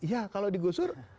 ya kalau digusur